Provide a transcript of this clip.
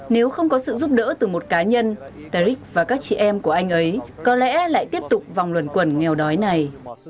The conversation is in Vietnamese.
nếu không có sự giúp đỡ từ một cá nhân tariq và các chị em của anh ấy có lẽ lại tiếp tục vòng luận quẩn nghèo đói này